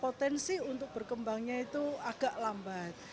potensi untuk berkembangnya itu agak lambat